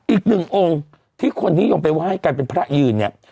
อีกหนึ่งองค์ที่คนนิยมไปไหว้กันเป็นพระยืนเนี่ย